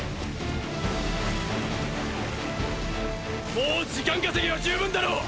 もう時間稼ぎは十分だろう